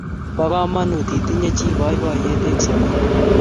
Po kamanut itinye chi poipoyet eng' sobeng'ung'